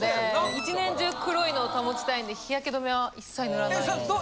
１年中黒いのを保ちたいんで日焼け止めは一切塗らないです。